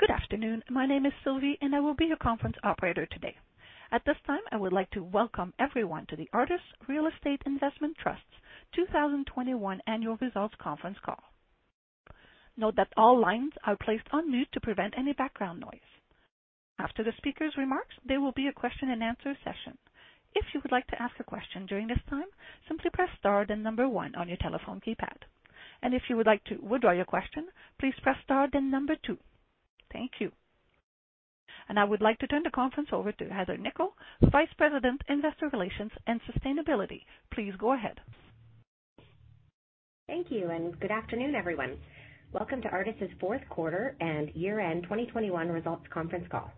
Good afternoon. My name is Sylvie, and I will be your conference operator today. At this time, I would like to welcome everyone to the Artis Real Estate Investment Trust 2021 annual results conference call. Note that all lines are placed on mute to prevent any background noise. After the speaker's remarks, there will be a question-and-answer session. If you would like to ask a question during this time, simply press Star then number one on your telephone keypad. If you would like to withdraw your question, please press Star then number two. Thank you. I would like to turn the conference over to Heather Nikkel, Vice President, Investor Relations and Sustainability. Please go ahead. Thank you, and good afternoon, everyone. Welcome to Artis' Q4 and year-end 2021 results conference call.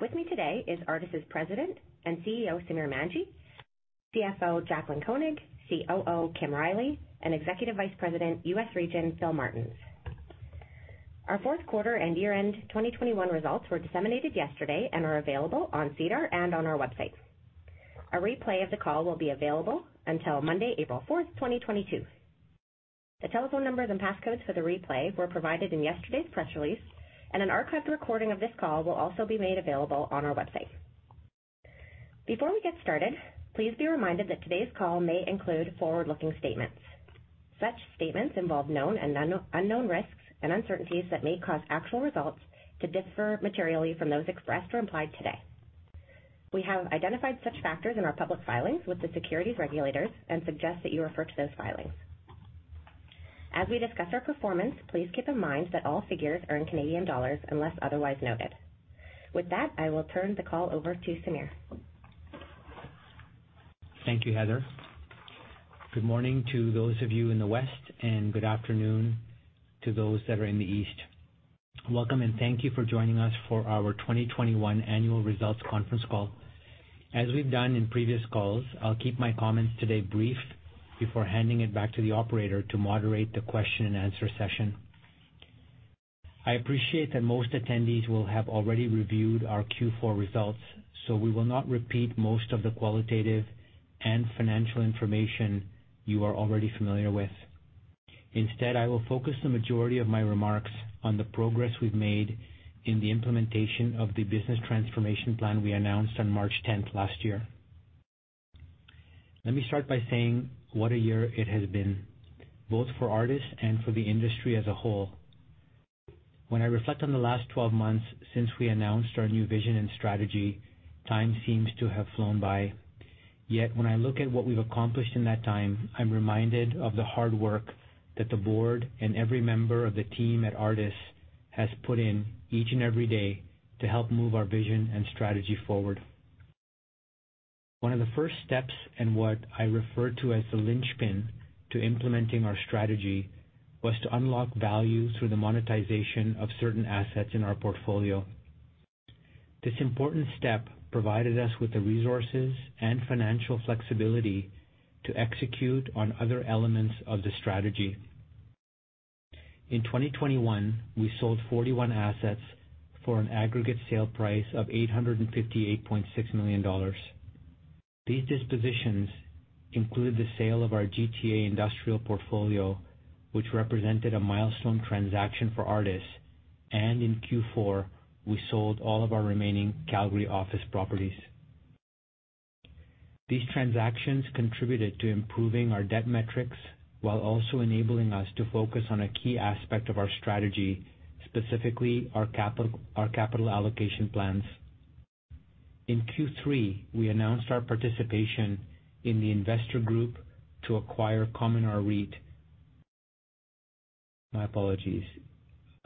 With me today is Artis' President and CEO, Samir Manji, CFO Jaclyn Koenig, COO Kim Riley, and Executive Vice President, U.S. Region, Philip Martens. Our Q4 and year-end 2021 results were disseminated yesterday and are available on SEDAR and on our website. A replay of the call will be available until Monday, April 4, 2022. The telephone numbers and passcodes for the replay were provided in yesterday's press release, and an archived recording of this call will also be made available on our website. Before we get Started, please be reminded that today's call may include forward-looking statements. Such statements involve known and unknown risks and uncertainties that may cause actual results to differ materially from those expressed or implied today. We have identified such factors in our public filings with the securities regulators and suggest that you refer to those filings. As we discuss our performance, please keep in mind that all figures are in Canadian dollars unless otherwise noted. With that, I will turn the call over to Samir. Thank you, Heather. Good morning to those of you in the West, and good afternoon to those that are in the East. Welcome, and thank you for joining us for our 2021 annual results conference call. As we've done in previous calls, I'll keep my comments today brief before handing it back to the operator to moderate the question-and-answer session. I appreciate that most attendees will have already reviewed our Q4 results, so we will not repeat most of the qualitative and financial information you are already familiar with. Instead, I will focus the majority of my remarks on the progress we've made in the implementation of the business transformation plan we announced on March 10 last year. Let me Start by saying what a year it has been, both for Artis and for the industry as a whole. When I reflect on the last 12 months since we announced our new vision and strategy, time seems to have flown by. Yet, when I look at what we've accomplished in that time, I'm reminded of the hard work that the board and every member of the team at Artis has put in each and every day to help move our vision and strategy forward. One of the first steps, and what I refer to as the linchpin to implementing our strategy, was to unlock value through the monetization of certain assets in our portfolio. This important step provided us with the resources and financial flexibility to execute on other elements of the strategy. In 2021, we sold 41 assets for an aggregate sale price of 858.6 million dollars. These dispositions include the sale of our GTA industrial portfolio, which represented a milestone transaction for Artis. In Q4, we sold all of our remaining Calgary office properties. These transactions contributed to improving our debt metrics while also enabling us to focus on a key aspect of our strategy, specifically our capital allocation plans. In Q3, we announced our participation in the investor group to acquire Cominar REIT. My apologies.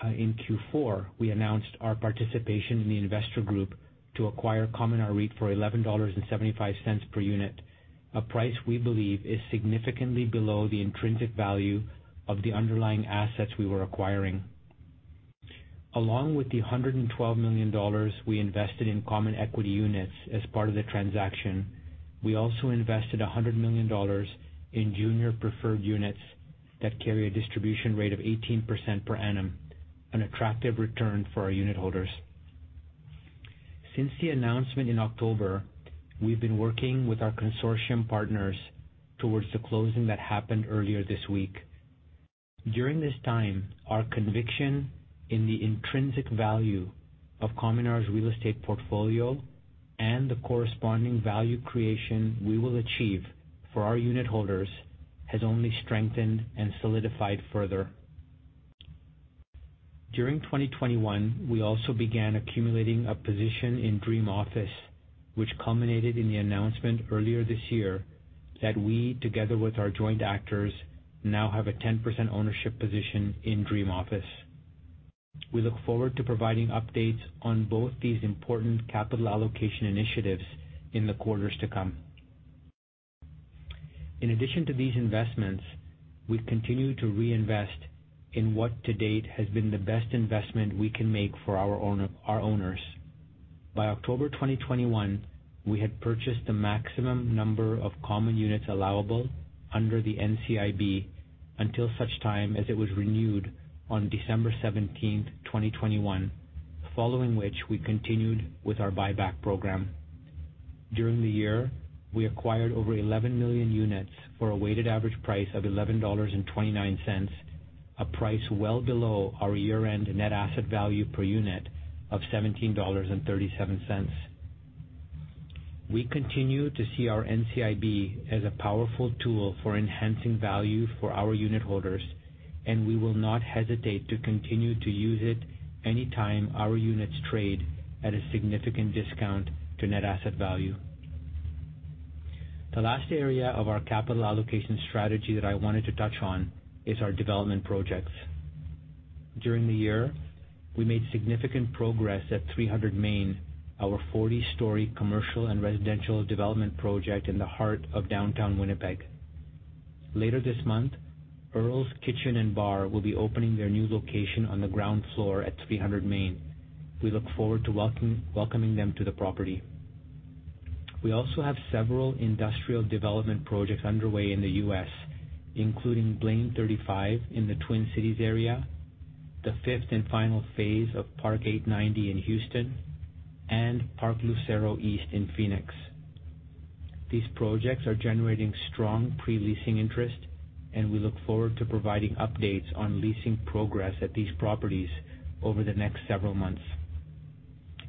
In Q4, we announced our participation in the investor group to acquire Cominar REIT for 11.75 dollars per unit, a price we believe is significantly below the intrinsic value of the underlying assets we were acquiring. Along with the 112 million dollars we invested in common equity units as part of the transaction, we also invested 100 million dollars in junior preferred units that carry a distribution rate of 18% per annum, an attractive return for our unit holders. Since the announcement in October, we've been working with our consortium partners towards the closing that happened earlier this week. During this time, our conviction in the intrinsic value of Cominar's Real Estate portfolio and the corresponding value creation we will achieve for our unit holders has only strengthened and solidified further. During 2021, we also began accumulating a position in Dream Office, which culminated in the announcement earlier this year that we, together with our joint actors, now have a 10% ownership position in Dream Office. We look forward to providing updates on both these important capital allocation initiatives in the quarters to come. In addition to these investments, we've continued to reinvest in what to date has been the best investment we can make for our owner, our owners. By October 2021, we had purchased the maximum number of common units allowable under the NCIB until such time as it was renewed on December 17, 2021, following which we continued with our buyback program. During the year, we acquired over 11 million units for a weighted average price of 11.29 dollars, a price well below our year-end net asset value per unit of 17.37 dollars. We continue to see our NCIB as a powerful tool for enhancing value for our unit holders, and we will not hesitate to continue to use it any time our units trade at a significant discount to net asset value. The last area of our capital allocation strategy that I wanted to touch on is our development projects. During the year, we made significant progress at 300 Main, our 40-story commercial and residential development project in the heart of downtown Winnipeg. Later this month, Earls Kitchen + Bar will be opening their new location on the ground floor at 300 Main. We look forward to welcoming them to the property. We also have several industrial development projects underway in the U.S., including Blaine 35 in the Twin Cities area, the fifth and final phase of Park 890 in Houston, and Park Lucero East in Phoenix. These projects are generating strong pre-leasing interest, and we look forward to providing updates on leasing progress at these properties over the next several months.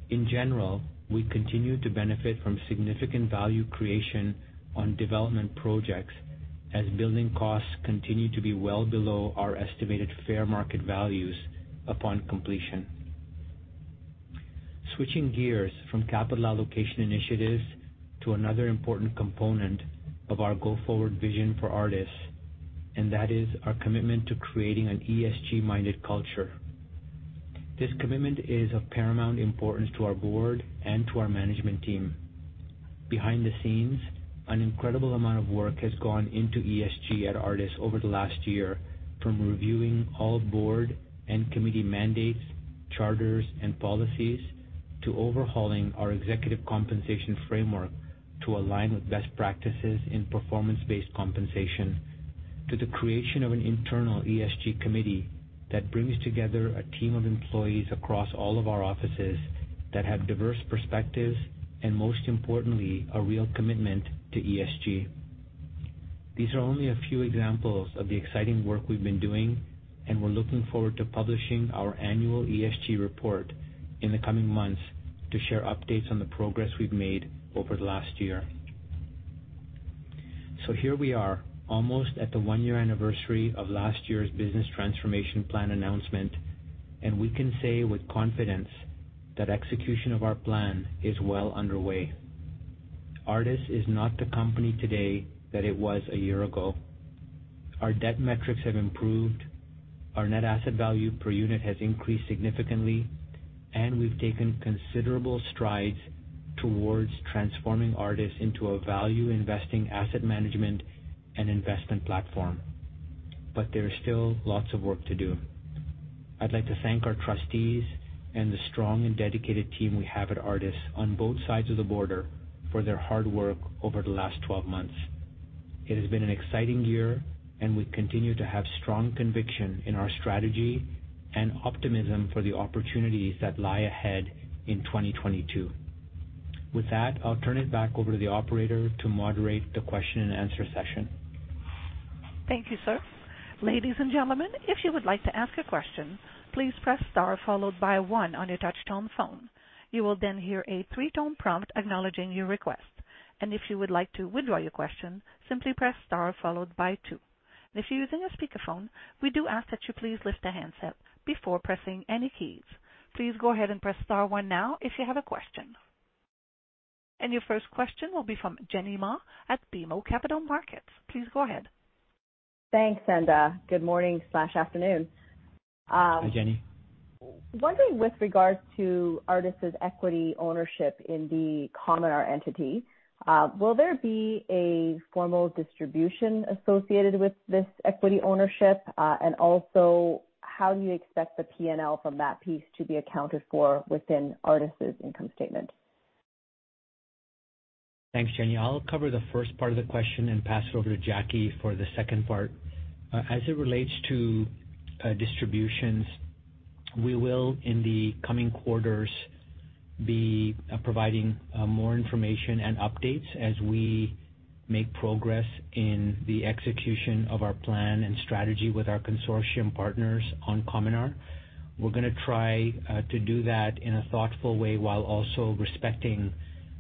In general, we continue to benefit from significant value creation on development projects as building costs continue to be well below our estimated fair market values upon completion. Switching gears from capital allocation initiatives to another important component of our go-forward vision for Artis, and that is our commitment to creating an ESG-minded culture. This commitment is of paramount importance to our board and to our management team. Behind the scenes, an incredible amount of work has gone into ESG at Artis over the last year. From reviewing all board and committee mandates, charters and policies, to overhauling our executive compensation framework to align with best practices in performance-based compensation, to the creation of an internal ESG committee that brings together a team of employees across all of our offices that have diverse perspectives and most importantly, a real commitment to ESG. These are only a few examples of the exciting work we've been doing, and we're looking forward to publishing our annual ESG report in the coming months to share updates on the progress we've made over the last year. Here we are, almost at the one-year anniversary of last year's business transformation plan announcement, and we can say with confidence that execution of our plan is well underway. Artis is not the company today that it was a year ago. Our debt metrics have improved, our net asset value per unit has increased significantly, and we've taken considerable strides towards transforming Artis into a value investing asset management and investment platform. There is still lots of work to do. I'd like to thank our trustees and the strong and dedicated team we have at Artis on both sides of the border for their hard work over the last 12 months. It has been an exciting year, and we continue to have strong conviction in our strategy and optimism for the opportunities that lie ahead in 2022. With that, I'll turn it back over to the operator to moderate the question and answer session. Your first question will be from Jenny Ma at BMO Capital Markets. Please go ahead. Thanks, good morning slash afternoon. Hi, Jenny. Wondering with regards to Artis' equity ownership in the Cominar entity, will there be a formal distribution associated with this equity ownership? Also how do you expect the P&L from that piece to be accounted for within Artis' income statement? Thanks, Jenny. I'll cover the first part of the question and pass it over to Jackie for the second part. As it relates to distributions, we will, in the coming quarters, be providing more information and updates as we make progress in the execution of our plan and strategy with our consortium partners on Cominar. We're gonna try to do that in a thoughtful way while also respecting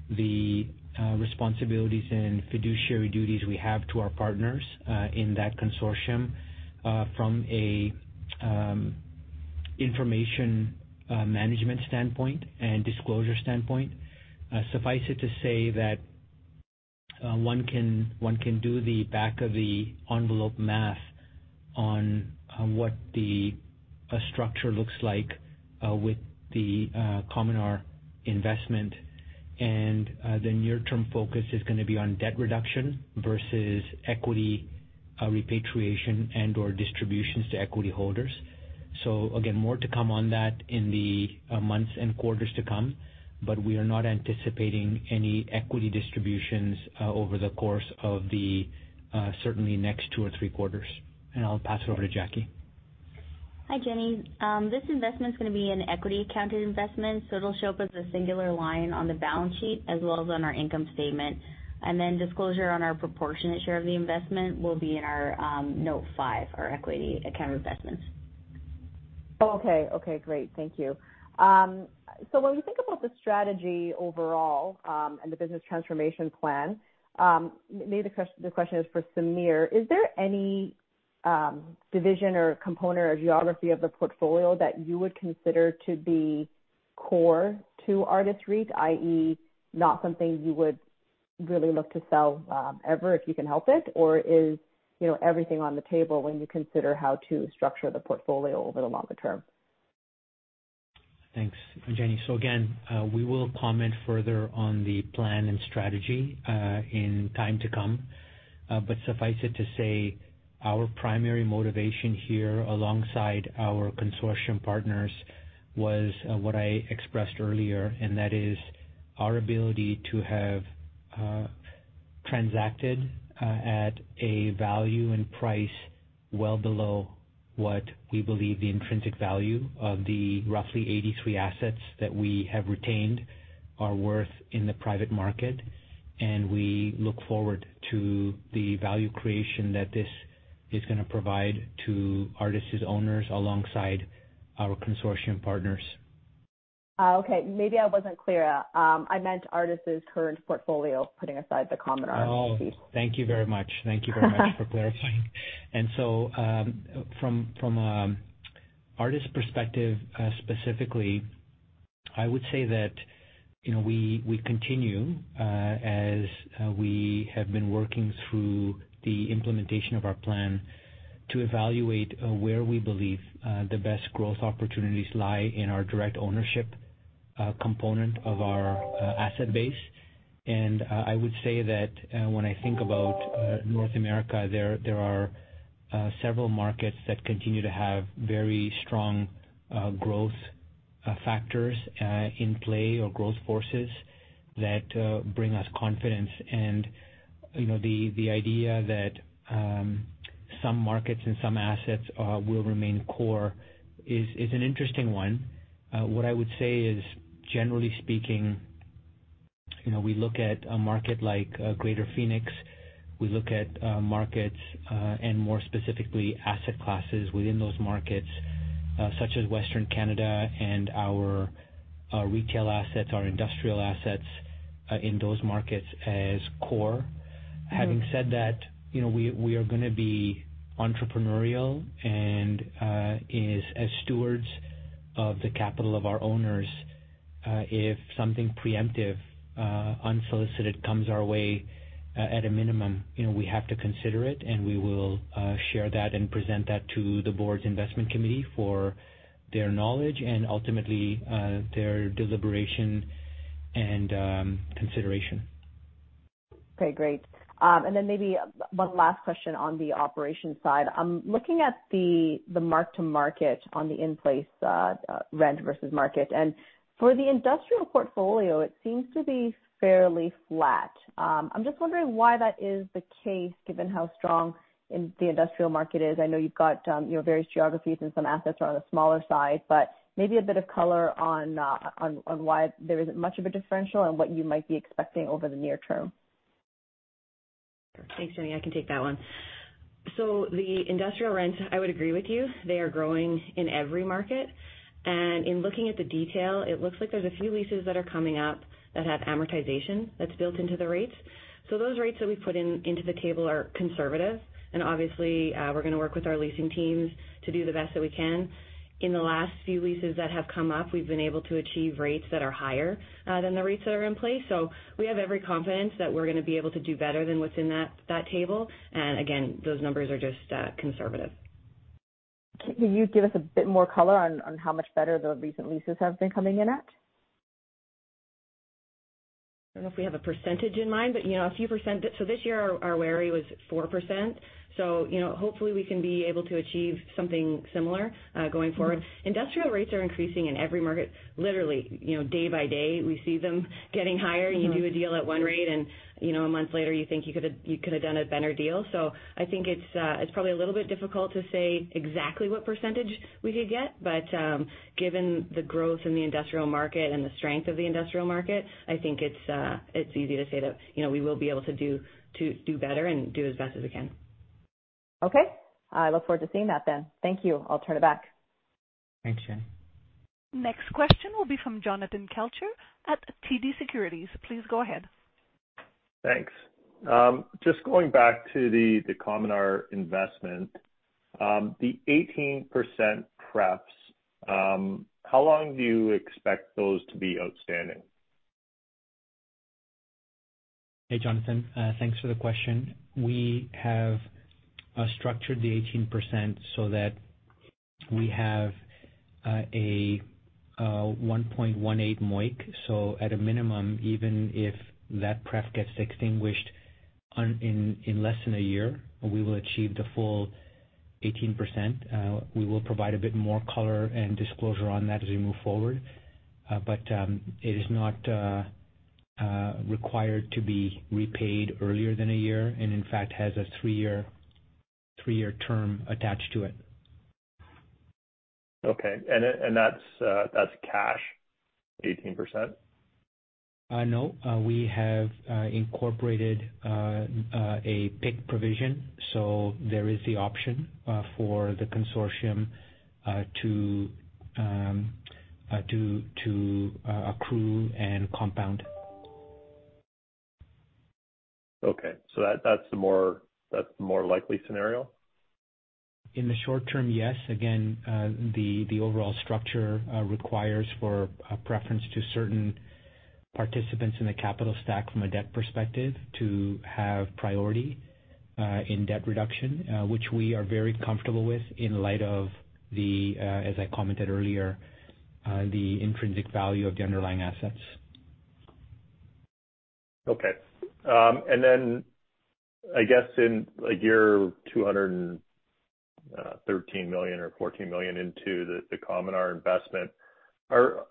the responsibilities and fiduciary duties we have to our partners in that consortium from a information management standpoint and disclosure standpoint. Suffice it to say that one can do the back of the envelope math on what the structure looks like with the Cominar investment. The near term focus is gonna be on debt reduction versus equity repatriation and/or distributions to equity holders. Again, more to come on that in the months and quarters to come. We are not anticipating any equity distributions over the course of the certainly next two or three quarters. I'll pass it over to Jackie. Hi, Jenny. This investment's gonna be an equity accounted investment, so it'll show up as a singular line on the balance sheet as well as on our income statement. Then disclosure on our proportionate share of the investment will be in our note five, our equity account investments. Okay. Okay, great. Thank you. When we think about the strategy overall, and the business transformation plan, maybe the question is for Samir. Is there any division or component or geography of the portfolio that you would consider to be core to Artis REIT, i.e., not something you would really look to sell ever if you can help it? Or is, you know, everything on the table when you consider how to structure the portfolio over the longer term? Thanks, Jenny. Again, we will comment further on the plan and strategy, in time to come. Suffice it to say, our primary motivation here alongside our consortium partners was what I expressed earlier, and that is our ability to have transacted at a value and price well below what we believe the intrinsic value of the roughly 83 assets that we have retained are worth in the private market. We look forward to the value creation that this is gonna provide to Artis' owners alongside our consortium partners. Oh, okay. Maybe I wasn't clear. I meant Artis' current portfolio, putting aside the Cominar REIT. Oh, thank you very much. Thank you very much for clarifying. From Artis' perspective, specifically, I would say that, you know, we continue as we have been working through the implementation of our plan to evaluate where we believe the best growth opportunities lie in our direct ownership component of our asset base. I would say that when I think about North America, there are several markets that continue to have very strong growth factors in play or growth forces that bring us confidence. You know, the idea that some markets and some assets will remain core is an interesting one. What I would say is, generally speaking, you know, we look at a market like Greater Phoenix. We look at markets, and more specifically asset classes within those markets, such as Western Canada and our retail assets, our industrial assets, in those markets as core. Mm-hmm. Having said that, you know, we are gonna be entrepreneurial and as stewards of the capital of our owners, if something preemptive, unsolicited comes our way, at a minimum, you know, we have to consider it and we will share that and present that to the board's investment committee for their knowledge and ultimately their deliberation and consideration. Okay, great. Maybe one last question on the operations side. I'm looking at the mark-to-market on the in-place rent versus market. For the industrial portfolio, it seems to be fairly flat. I'm just wondering why that is the case, given how strong the industrial market is. I know you've got your various geographies and some assets are on the smaller side, but maybe a bit of color on why there isn't much of a differential and what you might be expecting over the near term. Thanks, Jenny. I can take that one. The industrial rent, I would agree with you. They are growing in every market. In looking at the detail, it looks like there's a few leases that are coming up that have amortization that's built into the rates. Those rates that we put in, into the table are conservative, and obviously, we're gonna work with our leasing teams to do the best that we can. In the last few leases that have come up, we've been able to achieve rates that are higher than the rates that are in place. We have every confidence that we're gonna be able to do better than what's in that table. Again, those numbers are just conservative. Can you give us a bit more color on how much better the recent leases have been coming in at? I don't know if we have a percentage in mind, but, you know, a few percent. This year, our WARR was 4%. You know, hopefully we can be able to achieve something similar going forward. Mm-hmm. Industrial rates are increasing in every market. Literally, you know, day by day, we see them getting higher. Mm-hmm. You do a deal at one rate and, you know, a month later you think you could've done a better deal. I think it's probably a little bit difficult to say exactly what percentage we could get. Given the growth in the industrial market and the strength of the industrial market, I think it's easy to say that, you know, we will be able to do better and do as best as we can. Okay. I look forward to seeing that then. Thank you. I'll turn it back. Thanks, Jenny. Next question will be from Jonathan Kelcher at TD Securities. Please go ahead. Thanks. Just going back to the Cominar investment, the 18% prefs, how long do you expect those to be outstanding? Hey, Jonathan. Thanks for the question. We have structured the 18% so that we have a 1.18 MOIC. At a minimum, even if that pref gets extinguished in less than a year, we will achieve the full 18%. We will provide a bit more color and disclosure on that as we move forward. It is not required to be repaid earlier than a year and in fact has a three-year term attached to it. Okay. That's cash, 18%? No. We have incorporated a PIK provision. There is the option for the consortium to accrue and compound. Okay. That's the more likely scenario? In the short term, yes. Again, the overall structure requires for a preference to certain participants in the capital stack from a debt perspective to have priority in debt reduction, which we are very comfortable with in light of, as I commented earlier, the intrinsic value of the underlying assets. Okay. I guess in a year 213 million or 14 million into the Cominar investment,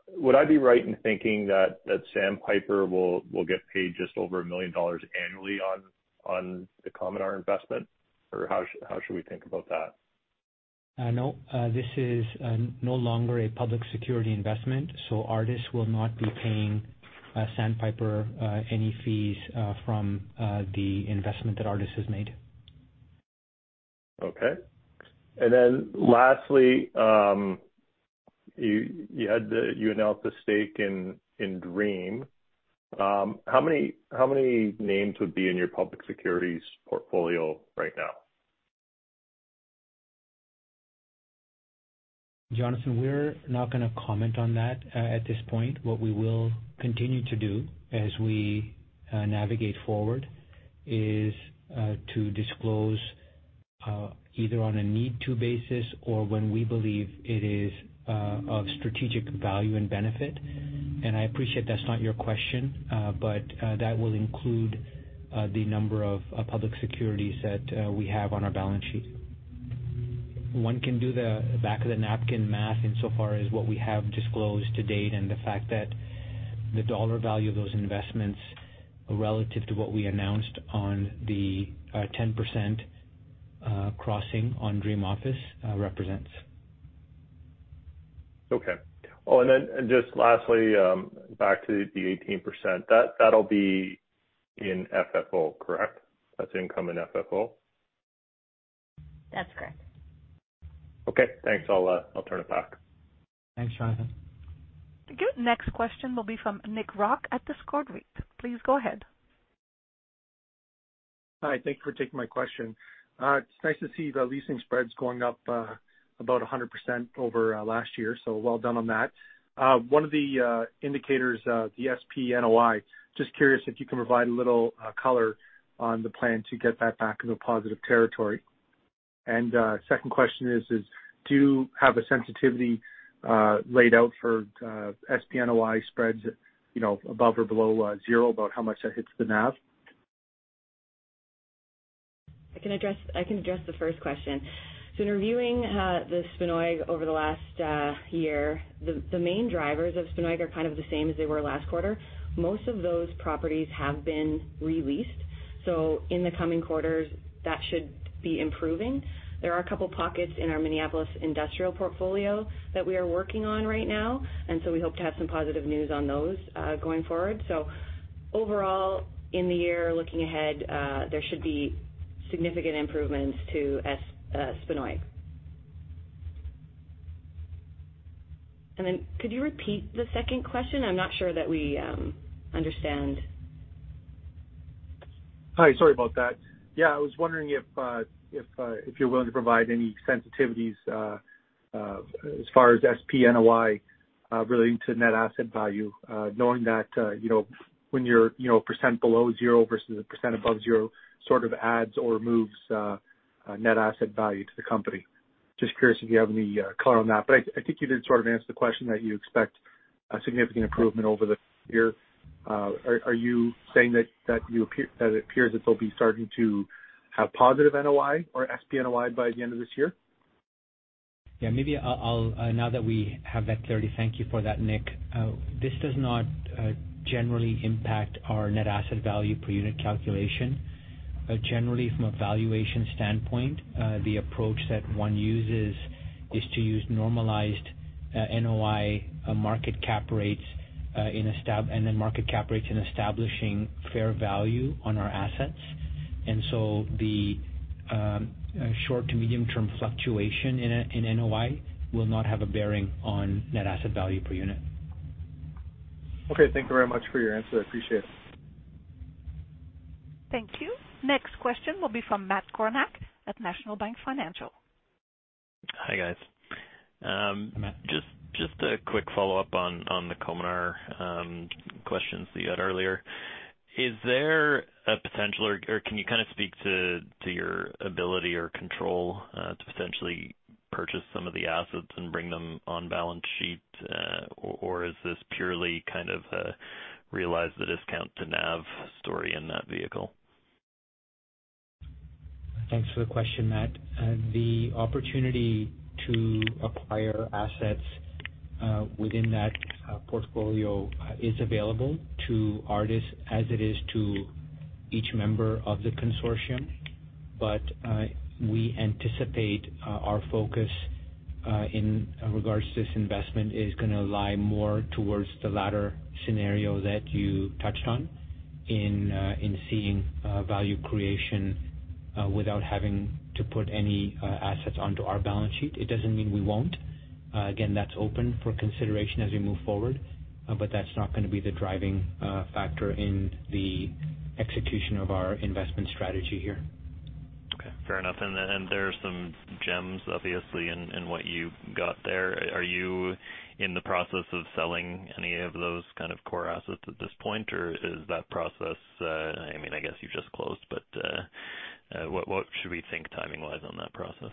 would I be right in thinking that Sandpiper will get paid just over 1 million dollars annually on the Cominar investment? Or how should we think about that? No, this is no longer a public security investment, so Artis will not be paying Sandpiper any fees from the investment that Artis has made. Okay. Then lastly, you announced the stake in Dream. How many names would be in your public securities portfolio right now? Jonathan, we're not gonna comment on that at this point. What we will continue to do as we navigate forward is to disclose either on a need-to-know basis or when we believe it is of strategic value and benefit. I appreciate that's not your question, but that will include the number of public securities that we have on our balance sheet. One can do the back of the napkin math insofar as what we have disclosed to date and the fact that the dollar value of those investments relative to what we announced on the 10% crossing on Dream Office represents. Okay. Oh, just lastly, back to the 18%. That, that'll be in FFO, correct? That's income in FFO? That's correct. Okay, thanks. I'll turn it back. Thanks, Jonathan. Your next question will be from Nick Rock at Discord Reit. Please go ahead. Hi. Thank you for taking my question. It's nice to see the leasing spreads going up about 100% over last year. So well done on that. One of the indicators, the SPNOI, just curious if you can provide a little color on the plan to get that back into a positive territory. Second question is do you have a sensitivity laid out for SPNOI spreads, you know, above or below zero about how much that hits the NAV? I can address the first question. In reviewing the SPNOI over the last year, the main drivers of SPNOI are kind of the same as they were last quarter. Most of those properties have been re-leased. In the coming quarters, that should be improving. There are a couple pockets in our Minneapolis industrial portfolio that we are working on right now, and so we hope to have some positive news on those going forward. Overall, in the year looking ahead, there should be significant improvements to SPNOI. Then could you repeat the second question? I'm not sure that we understand. Hi. Sorry about that. Yeah, I was wondering if you're willing to provide any sensitivities as far as SPNOI relating to net asset value, knowing that, you know, when you're, you know, percent below zero versus a percent above zero sort of adds or removes net asset value to the company. Just curious if you have any color on that. I think you did sort of answer the question that you expect a significant improvement over the year. Are you saying that it appears that they'll be Starting to have positive NOI or SPNOI by the end of this year? Now that we have that clarity, thank you for that, Nick. This does not generally impact our net asset value per unit calculation. Generally from a valuation standpoint, the approach that one uses is to use normalized NOI, market cap rates, and then market cap rates in establishing fair value on our assets. The short to medium term fluctuation in NOI will not have a bearing on net asset value per unit. Okay. Thank you very much for your answer. I appreciate it. Thank you. Next question will be from Matt Kornack at National Bank Financial. Hi, guys. Hi, Matt. Just a quick follow-up on the Cominar questions that you had earlier. Is there a potential or can you kind of speak to your ability or control to potentially purchase some of the assets and bring them on balance sheet? Or is this purely kind of a realize the discount to NAV story in that vehicle? Thanks for the question, Matt. The opportunity to acquire assets within that portfolio is available to Artis as it is to each member of the consortium. We anticipate our focus in regards to this investment is gonna lie more towards the latter scenario that you touched on in seeing value creation without having to put any assets onto our balance sheet. It doesn't mean we won't. Again, that's open for consideration as we move forward, but that's not gonna be the driving factor in the execution of our investment strategy here. Okay, fair enough. There are some gems, obviously, in what you've got there. Are you in the process of selling any of those kind of core assets at this point, or is that process? I mean, I guess you just closed, but what should we think timing-wise on that process?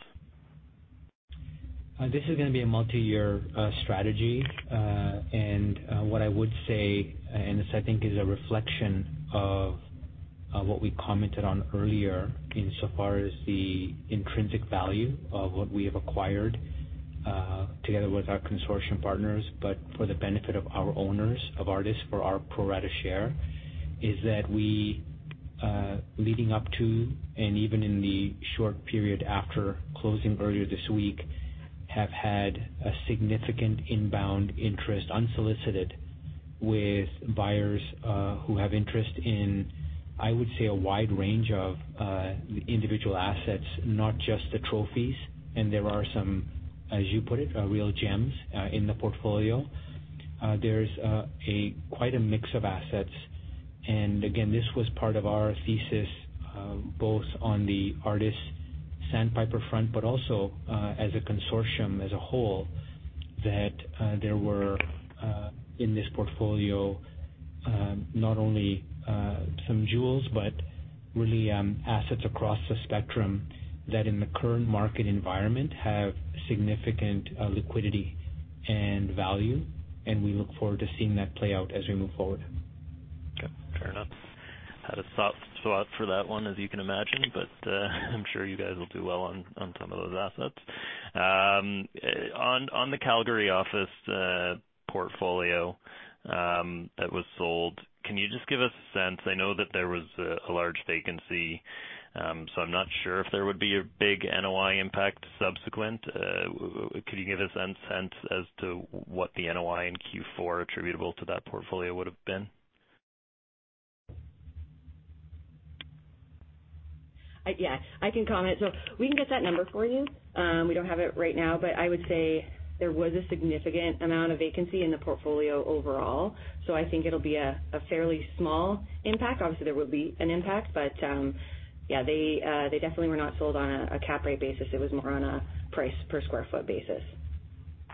This is gonna be a multi-year strategy. What I would say, and this I think is a reflection of what we commented on earlier insofar as the intrinsic value of what we have acquired together with our consortium partners, but for the benefit of our owners of Artis for our pro rata share, is that we, leading up to and even in the short period after closing earlier this week, have had a significant inbound interest unsolicited with buyers who have interest in, I would say, a wide range of individual assets, not just the trophies. There are some, as you put it, real gems in the portfolio. There's quite a mix of assets. Again, this was part of our thesis both on the Artis Sandpiper front, but also as a consortium as a whole, that there were in this portfolio not only some jewels, but really assets across the spectrum that in the current market environment have significant liquidity and value, and we look forward to seeing that play out as we move forward. Okay, fair enough. Had a soft spot for that one, as you can imagine, but I'm sure you guys will do well on some of those assets. On the Calgary office portfolio that was sold, can you just give us a sense. I know that there was a large vacancy, so I'm not sure if there would be a big NOI impact subsequent. Could you give us some sense as to what the NOI in Q4 attributable to that portfolio would have been? Yeah, I can comment. We can get that number for you. We don't have it right now, but I would say there was a significant amount of vacancy in the portfolio overall. I think it'll be a fairly small impact. Obviously, there will be an impact, but they definitely were not sold on a cap rate basis. It was more on a price per square foot basis.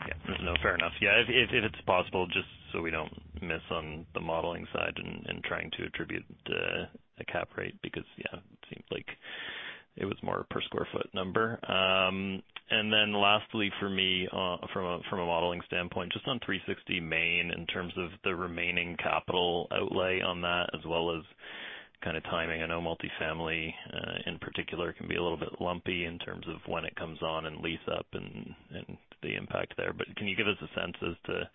Yeah. No, fair enough. Yeah, if it's possible, just so we don't miss on the modeling side and trying to attribute the cap rate because, yeah, it seems like it was more per square foot number. And then lastly for me, from a modeling standpoint, just on 360 Main in terms of the remaining capital outlay on that as well as kind of timing. I know multifamily in particular can be a little bit lumpy in terms of when it comes on and lease up and the impact there. Can you give us a sense as to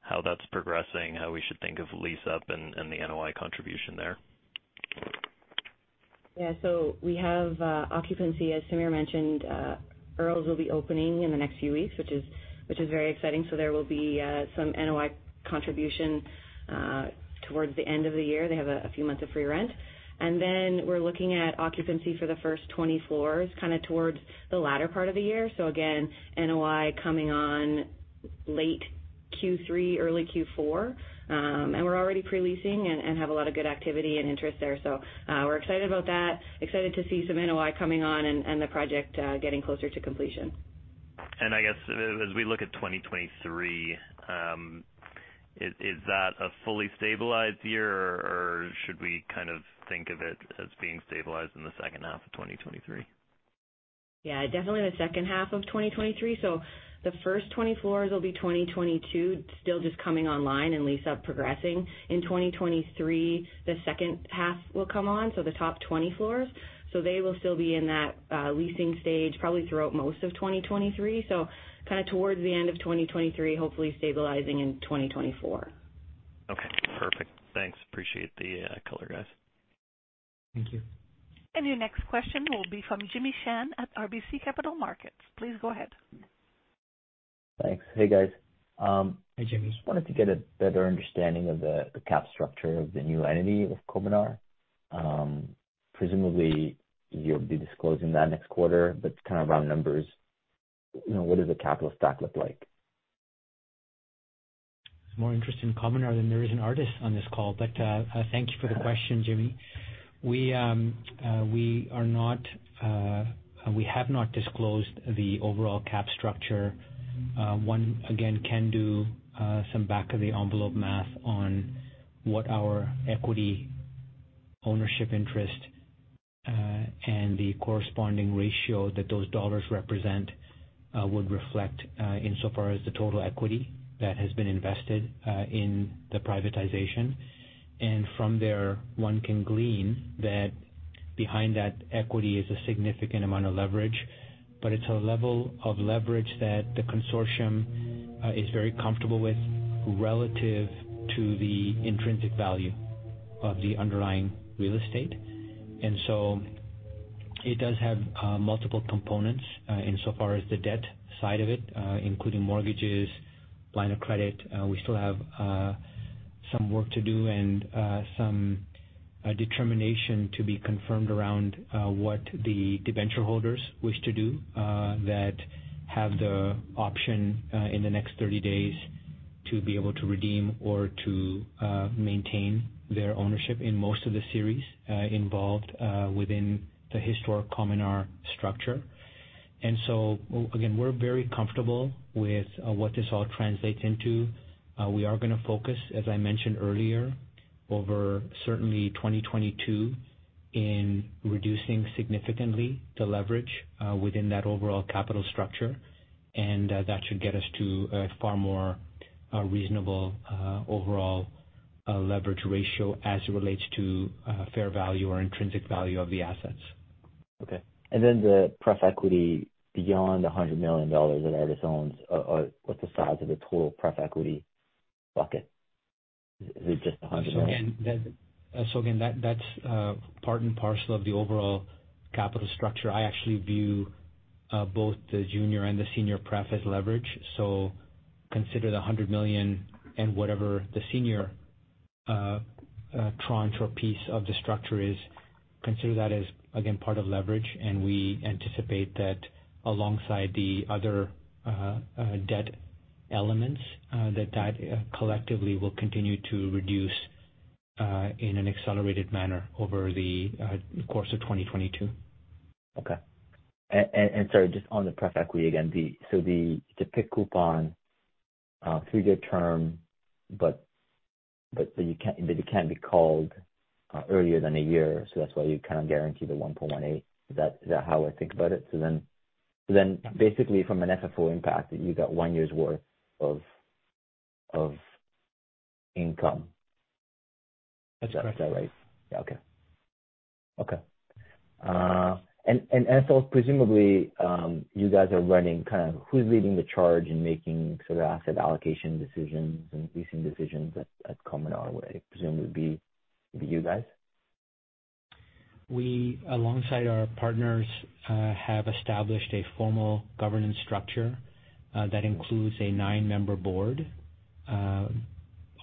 how that's progressing, how we should think of lease up and the NOI contribution there? Yeah. We have occupancy, as Samir mentioned, Earl's will be opening in the next few weeks, which is very exciting. There will be some NOI contribution towards the end of the year. They have a few months of free rent. We're looking at occupancy for the first 20 floors kinda towards the latter part of the year. NOI coming on late Q3, early Q4. We're already pre-leasing and have a lot of good activity and interest there. We're excited about that, excited to see some NOI coming on and the project getting closer to completion. I guess as we look at 2023, is that a fully stabilized year or should we kind of think of it as being stabilized in the H2 of 2023? Yeah, definitely the H2 of 2023. The first 20 floors will be 2022, still just coming online and lease-up progressing. In 2023, the H2 will come on, so the top 20 floors. They will still be in that leasing stage probably throughout most of 2023. Kinda towards the end of 2023, hopefully stabilizing in 2024. Okay, perfect. Thanks. Appreciate the color, guys. Thank you. Your next question will be from Jimmy Shan at RBC Capital Markets. Please go ahead. Thanks. Hey, guys. Hey, Jimmy. Just wanted to get a better understanding of the capital structure of the new entity of Cominar. Presumably you'll be disclosing that next quarter, but kind of round numbers, you know, what does the capital stack look like? More interest in Cominar than there is in Artis on this call. Thank you for the question, Jimmy. We have not disclosed the overall cap structure. One again can do some back of the envelope math on what our equity ownership interest and the corresponding ratio that those dollars represent would reflect, insofar as the total equity that has been invested in the privatization. From there, one can glean that behind that equity is a significant amount of leverage. It's a level of leverage that the consortium is very comfortable with relative to the intrinsic value of the underlying real estate. It does have multiple components insofar as the debt side of it, including mortgages, line of credit. We still have some work to do and some determination to be confirmed around what the debenture holders wish to do that have the option in the next 30 days to be able to redeem or to maintain their ownership in most of the series involved within the historic Cominar structure. We're very comfortable with what this all translates into. We are gonna focus, as I mentioned earlier, over certainly 2022 in reducing significantly the leverage within that overall capital structure. That should get us to a far more reasonable overall leverage ratio as it relates to fair value or intrinsic value of the assets. Okay. The pref equity beyond the 100 million dollars that Artis owns, what's the size of the total pref equity bucket? Is it just 100 million? Again, that's part and parcel of the overall capital structure. I actually view both the junior and the senior pref as leverage. Consider the 100 million and whatever the senior tranche or piece of the structure is, consider that as again, part of leverage, and we anticipate that alongside the other debt elements, that collectively will continue to reduce in an accelerated manner over the course of 2022. Okay. Sorry, just on the pref equity again, it's a PIK coupon, 3-year term, but it can be called earlier than a year, so that's why you can't guarantee the 1.18. Is that how I think about it? Basically from an FFO impact, you got 1 year's worth of income. That's right. Is that right? Yeah. Okay. Okay. Presumably, you guys are running kind of who's leading the charge in making sort of asset allocation decisions and leasing decisions at Cominar? I presume it would be you guys. We, alongside our partners, have established a formal governance structure that includes a nine-member board.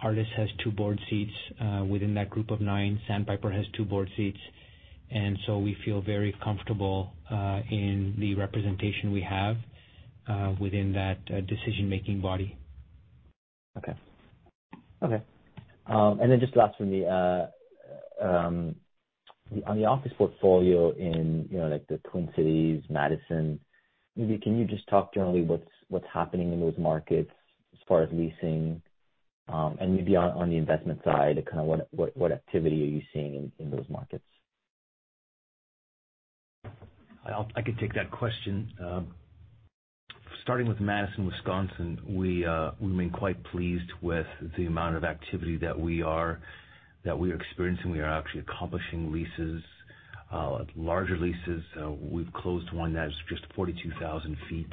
Artis has two board seats within that group of nine. Sandpiper has two board seats. We feel very comfortable in the representation we have within that decision-making body. Okay. Just last for me, on the office portfolio in, you know, like the Twin Cities, Madison, maybe can you just talk generally what's happening in those markets as far as leasing, and maybe on the investment side, kind of what activity are you seeing in those markets? I can take that question. Starting with Madison, Wisconsin, we've been quite pleased with the amount of activity that we are experiencing. We are actually accomplishing leases, larger leases. We've closed one that is just 42,000 feet,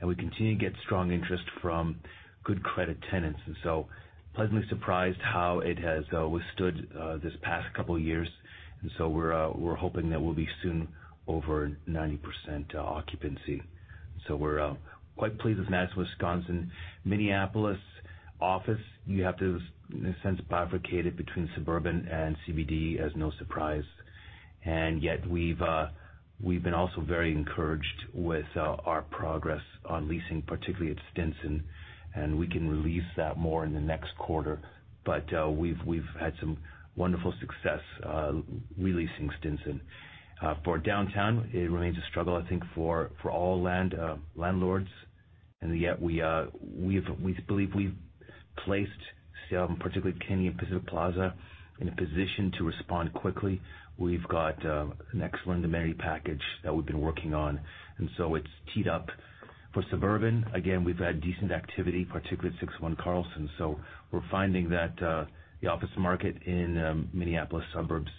and we continue to get strong interest from good credit tenants. Pleasantly surprised how it has withstood this past couple of years. We're hoping that we'll be soon over 90% occupancy. We're quite pleased with Madison, Wisconsin. Minneapolis office, you have to in a sense bifurcate it between suburban and CBD as no surprise. We've been also very encouraged with our progress on leasing, particularly at Stinson, and we can release that more in the next quarter. We've had some wonderful success re-leasing Stinson. For downtown, it remains a struggle, I think, for all landlords. Yet we believe we've placed particularly Kennedy and Pacific Plaza in a position to respond quickly. We've got an excellent amenity package that we've been working on, and so it's teed up. For suburban, again, we've had decent activity, particularly at 601 Carlson. We're finding that the office market in Minneapolis suburbs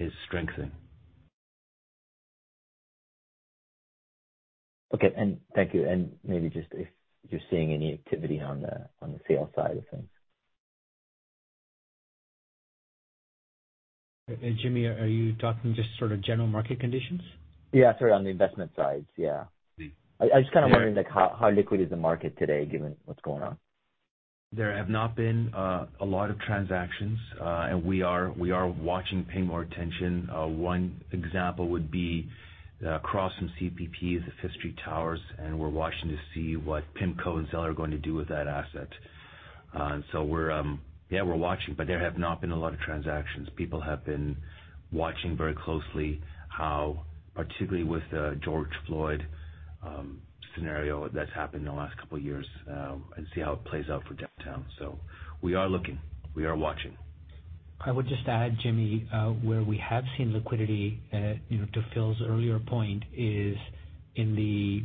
is strengthening. Okay. Thank you. Maybe just if you're seeing any activity on the sale side of things. Jimmy, are you talking just sort of general market conditions? Yeah, sort of on the investment side. Yeah. Yeah. I just kind of wondering like how liquid is the market today given what's going on? There have not been a lot of transactions, and we are watching, paying more attention. One example would be the Cross and CPP, the Fifth Street Towers, and we're watching to see what PIMCO and seller are going to do with that asset. We're watching, but there have not been a lot of transactions. People have been watching very closely how, particularly with the George Floyd scenario that's happened in the last couple of years, and see how it plays out for downtown. We are looking. We are watching. I would just add, Jimmy, where we have seen liquidity, you know, to Phil's earlier point, is in the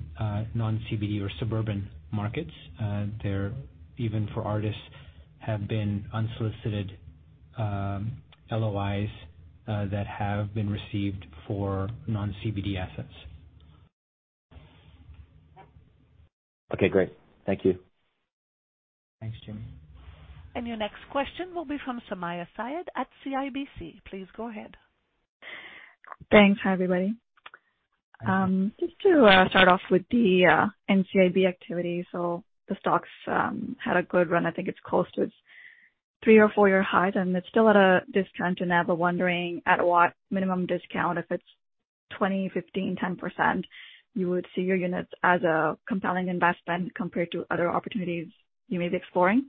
non-CBD or suburban markets. There, even for Artis, have been unsolicited LOIs that have been received for non-CBD assets. Okay, great. Thank you. Thanks, Jimmy. Your next question will be from Sumayya Syed at CIBC. Please go ahead. Thanks. Hi, everybody. Just to Start off with the NCIB activity. The stocks had a good run. I think it's close to its three- or four-year high, and it's still at a discount. I'm wondering at what minimum discount, if it's 20%, 15%, 10%, you would see your units as a compelling investment compared to other opportunities you may be exploring.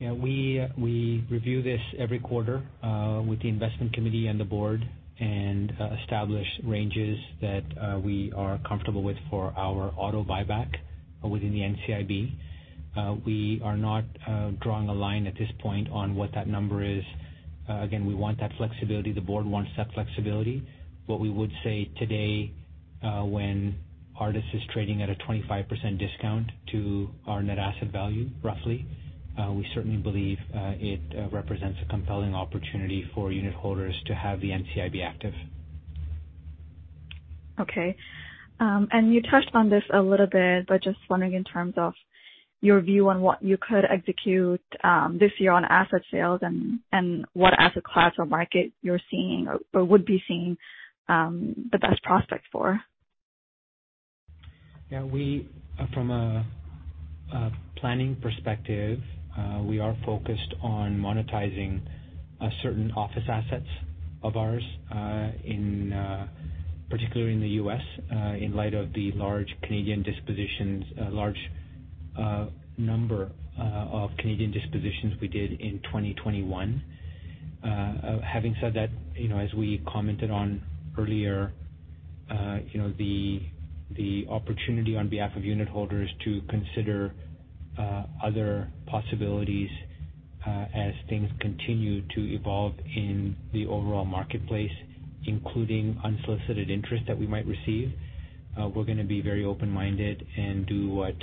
Yeah. We review this every quarter with the investment committee and the board and establish ranges that we are comfortable with for our auto buyback within the NCIB. We are not drawing a line at this point on what that number is. Again, we want that flexibility. The board wants that flexibility. What we would say today, when Artis is trading at a 25% discount to our net asset value, roughly, we certainly believe it represents a compelling opportunity for unitholders to have the NCIB active. Okay. You touched on this a little bit, but just wondering in terms of your view on what you could execute this year on asset sales and what asset class or market you're seeing or would be seeing the best prospects for? From a planning perspective, we are focused on monetizing certain office assets of ours, particularly in the U.S., in light of the large number of Canadian dispositions we did in 2021. Having said that, you know, as we commented on earlier, you know, the opportunity on behalf of unitholders to consider other possibilities as things continue to evolve in the overall marketplace, including unsolicited interest that we might receive, we're gonna be very open-minded and do what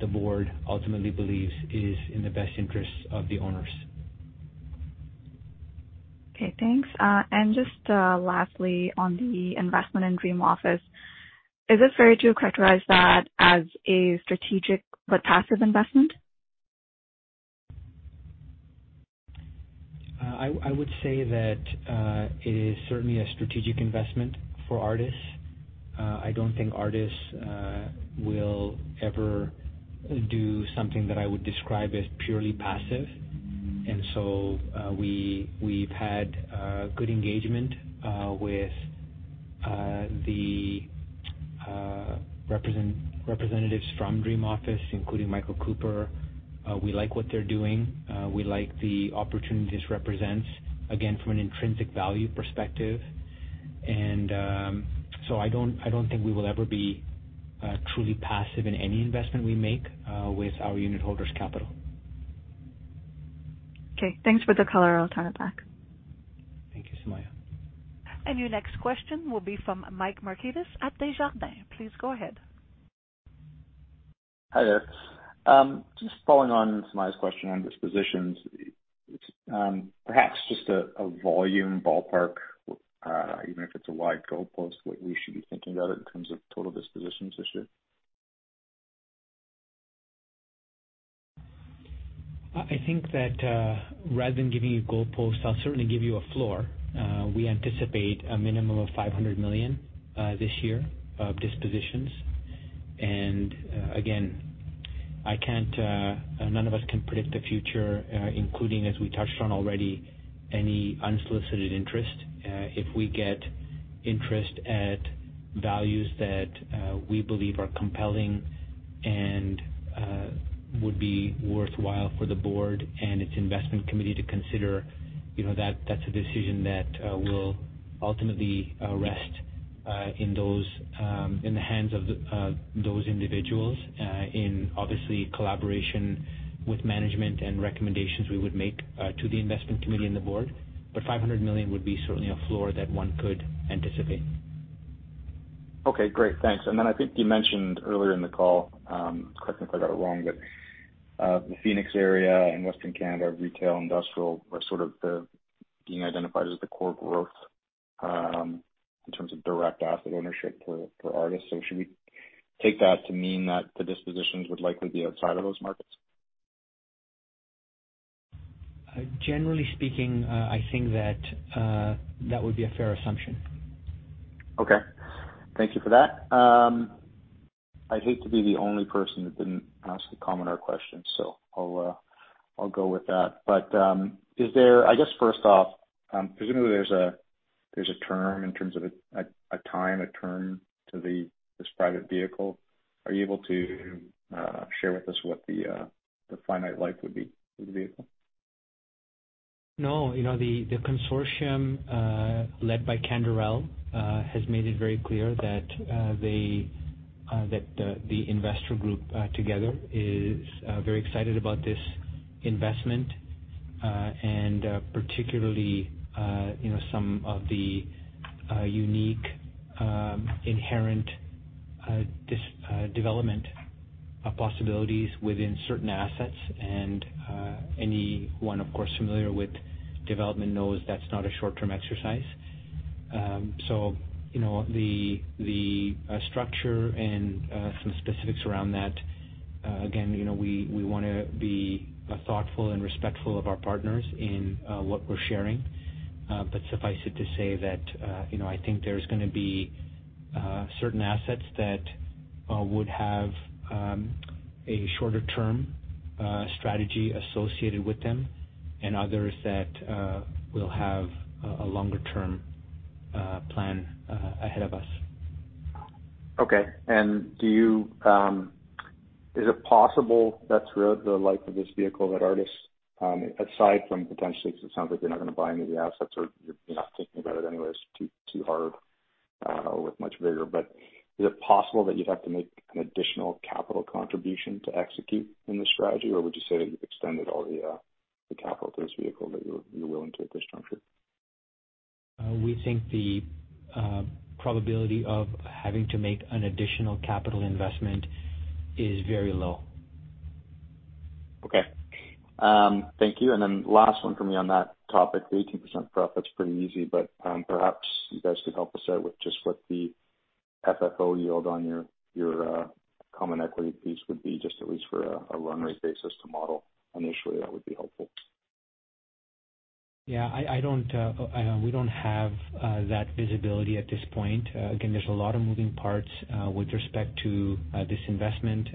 the board ultimately believes is in the best interest of the owners. Okay, thanks. Just lastly on the investment in Dream Office, is it fair to characterize that as a strategic but passive investment? I would say that it is certainly a strategic investment for Artis. I don't think Artis will ever do something that I would describe as purely passive. We've had good engagement with the representatives from Dream Office, including Michael Cooper. We like what they're doing. We like the opportunities this represents, again, from an intrinsic value perspective. I don't think we will ever be truly passive in any investment we make with our unitholders' capital. Okay, thanks for the call. I'll turn it back. Thank you, Sumayya. Your next question will be from Mike Markidis at Desjardins. Please go ahead. Hi there. Just following on Sumayya's question on dispositions. Perhaps just a volume ballpark, even if it's a wide goalpost, what we should be thinking about in terms of total dispositions this year? I think that, rather than giving you goalposts, I'll certainly give you a floor. We anticipate a minimum of 500 million this year of dispositions. Again, I can't, none of us can predict the future, including, as we touched on already, any unsolicited interest. If we get interest at values that we believe are compelling and would be worthwhile for the board and its investment committee to consider, you know, that's a decision that will ultimately rest in the hands of those individuals in obviously collaboration with management and recommendations we would make to the investment committee and the board. 500 million would be certainly a floor that one could anticipate. Okay, great. Thanks. I think you mentioned earlier in the call, correct me if I got it wrong, but the Phoenix area and Western Canada retail, industrial are sort of being identified as the core growth in terms of direct asset ownership for Artis. Should we take that to mean that the dispositions would likely be outside of those markets? Generally speaking, I think that would be a fair assumption. Okay. Thank you for that. I'd hate to be the only person that didn't ask a Cominar question, so I'll go with that. I guess first off, presumably there's a term in terms of a time term to this private vehicle. Are you able to share with us what the finite life would be for the vehicle? No. You know, the consortium led by Canderel has made it very clear that the investor group together is very excited about this investment. Particularly, you know, some of the unique inherent development possibilities within certain assets. Anyone, of course, familiar with development knows that's not a short-term exercise. You know, the structure and some specifics around that, again, you know, we wanna be thoughtful and respectful of our partners in what we're sharing. Suffice it to say that you know I think there's gonna be certain assets that would have a shorter term strategy associated with them and others that will have a longer term plan ahead of us. Okay. Is it possible that through the life of this vehicle that Artis, aside from potentially, 'cause it sounds like you're not gonna buy any of the assets or you're not thinking about it anyway, it's too hard or with much vigor. Is it possible that you'd have to make an additional capital contribution to execute in this strategy? Would you say that you've extended all the capital to this vehicle that you're willing to at this juncture? We think the probability of having to make an additional capital investment is very low. Okay. Thank you. Last one for me on that topic. The 18% profit's pretty easy, but perhaps you guys could help us out with just what the FFO yield on your common equity piece would be, just at least for a run rate basis to model initially, that would be helpful. Yeah, we don't have that visibility at this point. Again, there's a lot of moving parts with respect to this investment.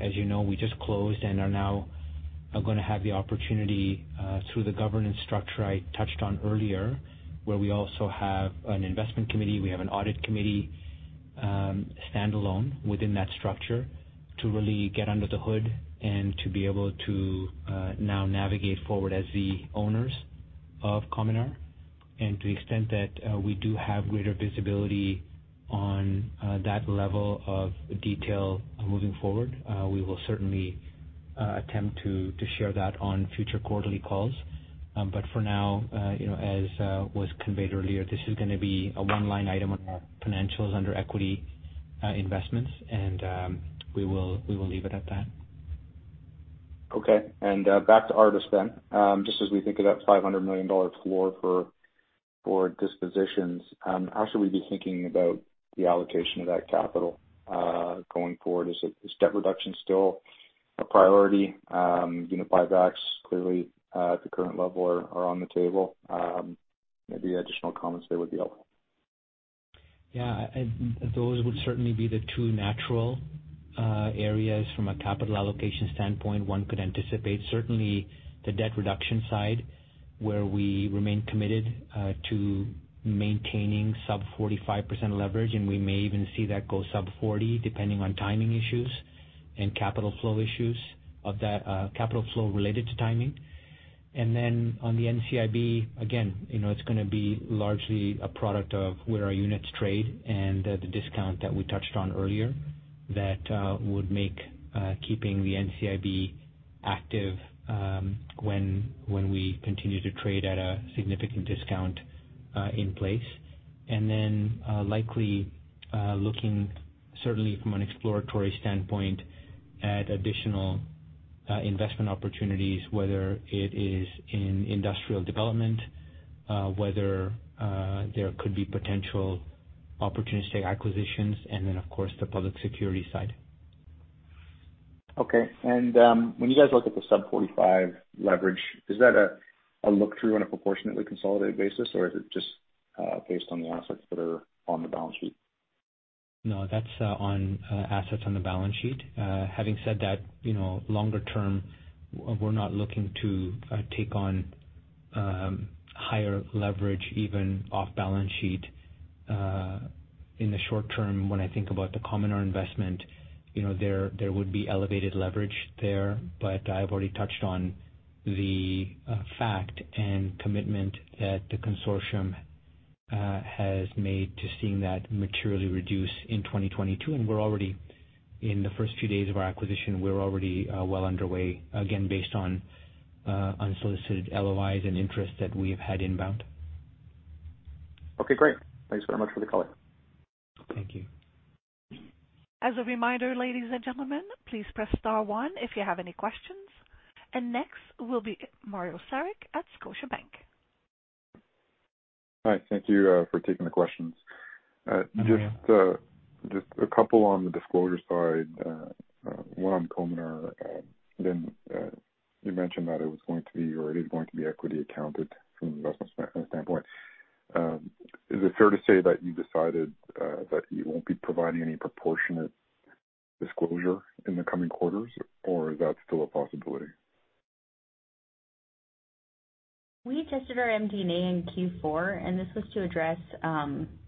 As you know, we just closed and are now gonna have the opportunity through the governance structure I touched on earlier, where we also have an investment committee, we have an audit committee, standalone within that structure to really get under the hood and to be able to now navigate forward as the owners of Cominar. To the extent that we do have greater visibility on that level of detail moving forward, we will certainly attempt to share that on future quarterly calls. For now, you know, as was conveyed earlier, this is gonna be a one-line item on our financials under equity investments. We will leave it at that. Okay. Back to Artis then. Just as we think of that 500 million dollar floor for dispositions, how should we be thinking about the allocation of that capital going forward? Is debt reduction still a priority? You know, buybacks clearly at the current level are on the table. Maybe additional comments there would be helpful. Yeah. Those would certainly be the two natural areas from a capital allocation standpoint one could anticipate. Certainly the debt reduction side, where we remain committed to maintaining sub 45% leverage, and we may even see that go sub 40% depending on timing issues and capital flow issues of that capital flow related to timing. Then on the NCIB, again, you know, it's gonna be largely a product of where our units trade and the discount that we touched on earlier that would make keeping the NCIB active when we continue to trade at a significant discount in place. Then likely looking certainly from an exploratory standpoint at additional investment opportunities, whether it is in industrial development, whether there could be potential opportunistic acquisitions and then of course the public security side. Okay. When you guys look at the sub-45 leverage, is that a look-through on a proportionately consolidated basis or is it just based on the assets that are on the balance sheet? No, that's on assets on the balance sheet. Having said that, you know, longer term, we're not looking to take on higher leverage even off balance sheet. In the short term, when I think about the Cominar investment, you know, there would be elevated leverage there, but I've already touched on the fact and commitment that the consortium has made to seeing that materially reduce in 2022. We're already, in the first few days of our acquisition, well underway, again, based on unsolicited LOIs and interest that we have had inbound. Okay, great. Thanks very much for the call. Thank you. As a reminder, ladies and gentlemen, please press Star one if you have any questions. Next will be Mario Saric at Scotiabank. Hi. Thank you for taking the questions. Mm-hmm. Just a couple on the disclosure side. One on Cominar. Then, you mentioned that it was going to be, or it is going to be equity accounted from an investment standpoint. Is it fair to say that you decided that you won't be providing any proportionate disclosure in the coming quarters, or is that still a possibility? We tested our MD&A in Q4, and this was to address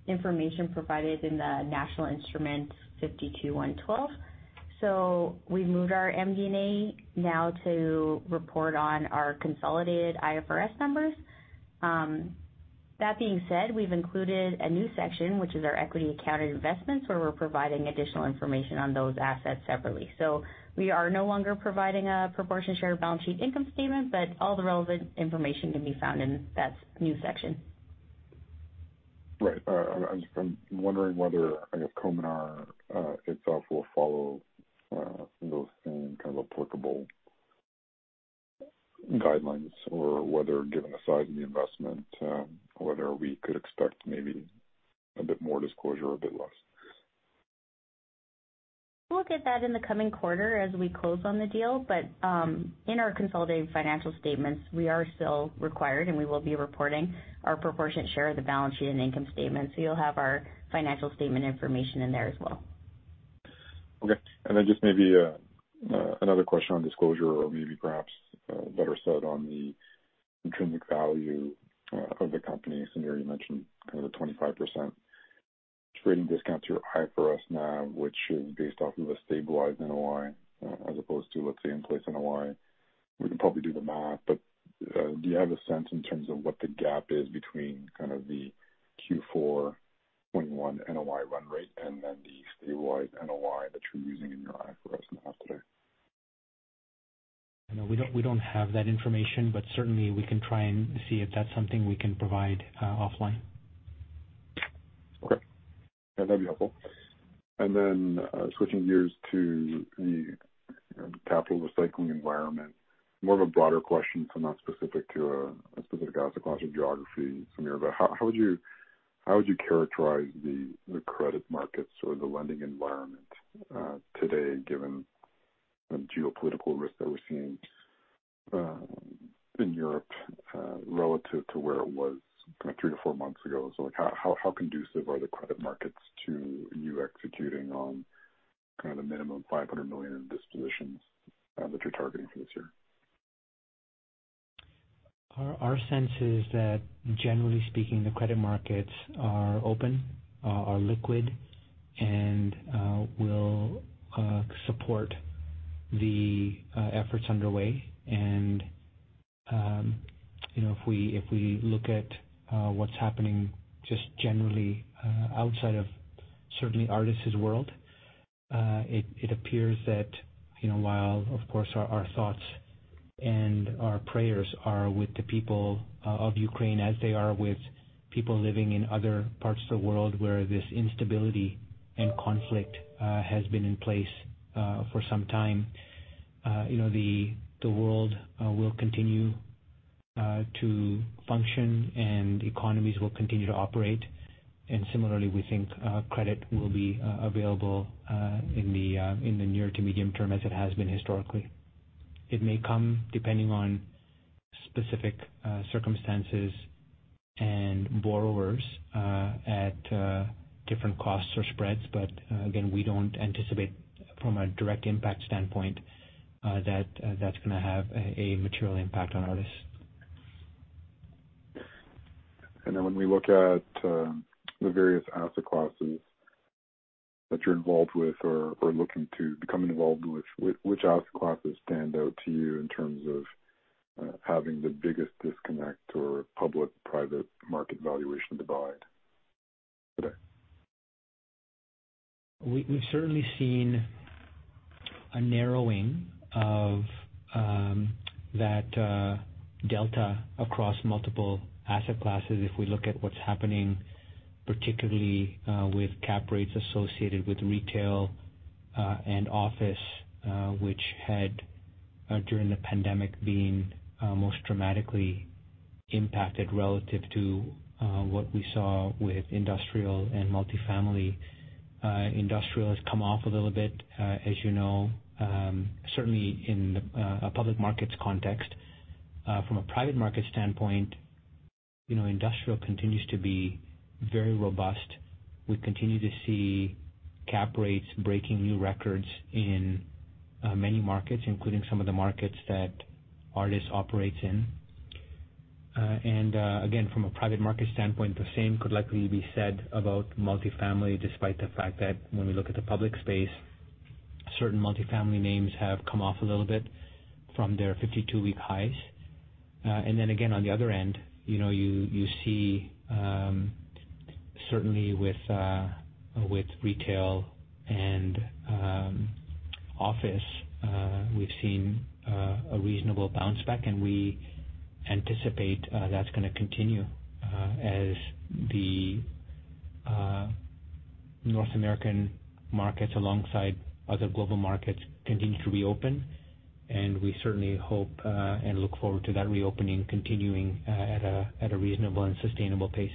information provided in the National Instrument 52-112. We've moved our MD&A now to report on our consolidated IFRS numbers. That being said, we've included a new section which is our equity accounted investments where we're providing additional information on those assets separately. We are no longer providing a proportionate share of balance sheet income statement, but all the relevant information can be found in that new section. Right. I'm wondering whether, I guess, Cominar itself will follow those same kind of applicable guidelines or whether given the size of the investment, whether we could expect maybe a bit more disclosure or a bit less. We'll get that in the coming quarter as we close on the deal. In our consolidated financial statements, we are still required, and we will be reporting our proportionate share of the balance sheet and income statement, so you'll have our financial statement information in there as well. Okay. Just maybe another question on disclosure or maybe perhaps better said on the intrinsic value of the company. Samir, you mentioned kind of the 25% trading discount to your IFRS NAV, which is based off of a stabilized NOI as opposed to, let's say, in-place NOI. We can probably do the math, but do you have a sense in terms of what the gap is between kind of the Q4 point-in-time NOI run rate and then the stabilized NOI that you're using in your IFRS NAV today? No, we don't have that information, but certainly we can try and see if that's something we can provide, offline. Okay. Yeah, that'd be helpful. Switching gears to the capital recycling environment. More of a broader question, so not specific to a specific asset class or geography. Samir, but how would you characterize the credit markets or the lending environment today, given the geopolitical risk that we're seeing in Europe relative to where it was kind of three to four months ago? Like how conducive are the credit markets to you executing on kind of the minimum 500 million in dispositions that you're targeting for this year? Our sense is that generally speaking, the credit markets are open, are liquid, and will support the efforts underway. You know, if we look at what's happening just generally outside of certainly Artis' world, it appears that, you know, while of course our thoughts and our prayers are with the people of Ukraine as they are with people living in other parts of the world where this instability and conflict has been in place for some time. You know, the world will continue to function and economies will continue to operate. Similarly, we think credit will be available in the near to medium term as it has been historically. It may come depending on specific circumstances and borrowers at different costs or spreads, but again, we don't anticipate from a direct impact standpoint that that's gonna have a material impact on Artis. When we look at the various asset classes that you're involved with or looking to become involved with, which asset classes stand out to you in terms of having the biggest disconnect or public-private market valuation divide today? We've certainly seen a narrowing of that delta across multiple asset classes. If we look at what's happening, particularly, with cap rates associated with retail and office, which had during the pandemic been most dramatically impacted relative to what we saw with industrial and multifamily. Industrial has come off a little bit, as you know, certainly in a public markets context. From a private market standpoint, you know, industrial continues to be very robust. We continue to see cap rates breaking new records in many markets, including some of the markets that Artis operates in. Again, from a private market standpoint, the same could likely be said about multifamily, despite the fact that when we look at the public space, certain multifamily names have come off a little bit from their 52-week highs. Then again, on the other end, you know, you see certainly with retail and office, we've seen a reasonable bounce back and we anticipate that's gonna continue as the North American markets alongside other global markets continue to reopen. We certainly hope and look forward to that reopening continuing at a reasonable and sustainable pace.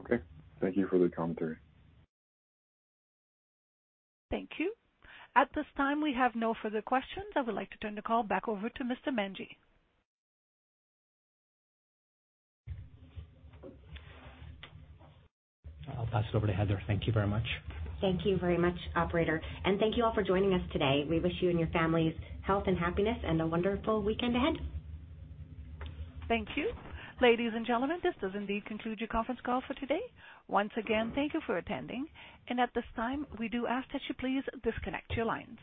Okay. Thank you for the commentary. Thank you. At this time, we have no further questions. I would like to turn the call back over to Mr. Manji. I'll pass it over to Heather. Thank you very much. Thank you very much, operator. Thank you all for joining us today. We wish you and your families health and happiness and a wonderful weekend ahead. Thank you. Ladies and gentlemen, this does indeed conclude your conference call for today. Once again, thank you for attending. At this time, we do ask that you please disconnect your lines.